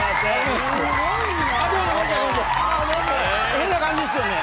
変な感じですよね。